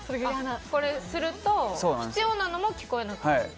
これすると必要なのも聞こえなくなる？